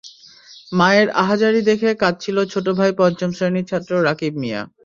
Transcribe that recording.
মায়ের আহাজারি দেখে কাঁদছিল ছোট ভাই পঞ্চম শ্রেণীর ছাত্র রাকিব মিয়া।